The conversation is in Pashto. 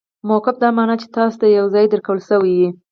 موقف دا مانا، چي تاسي ته یو ځای درکول سوی يي.